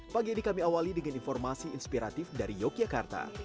pagi ini kami awali dengan informasi inspiratif dari yogyakarta